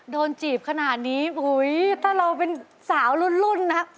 จีบขนาดนี้ถ้าเราเป็นสาวรุ่นนะ